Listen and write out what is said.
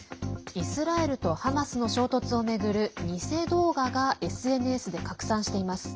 イスラエルとハマスの衝突を巡る偽動画がＳＮＳで拡散しています。